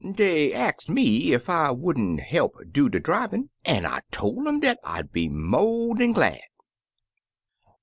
Dey ax'd me ef I would n't he'p do de drivin' an' I toF um dat I'd be mo' dan glad.'